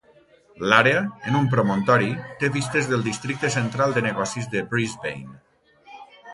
L'àrea, en un promontori, té vistes del Districte Central de Negocis de Brisbane.